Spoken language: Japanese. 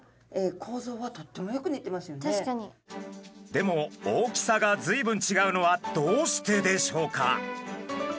でも大きさがずいぶんちがうのはどうしてでしょうか？